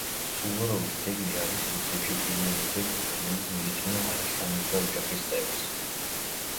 სუვოროვის ძეგლი არის რუსეთში პირველი ძეგლი, რომელიც მიეძღვნა არასამეფო ოჯახის წევრს.